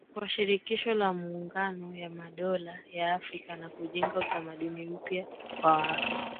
kwa Shirikisho la Maungano ya Madola ya Afrika na kujenga utamaduni mpya kwa Afrika